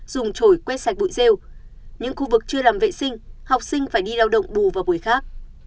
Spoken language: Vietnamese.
dùng trổi quét sạch bụi rêu những khu vực chưa làm vệ sinh học sinh phải đi lao động bù vào buổi khác